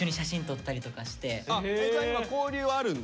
今交流はあるんだ。